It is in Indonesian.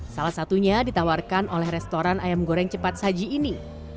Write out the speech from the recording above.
salah satunya ditawarkan oleh restoran ayam goreng cepat saji ini